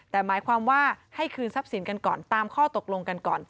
แต่หมายความว่าให้คืนทรัพย์สินกันก่อนตามข้อตกลงกันก่อน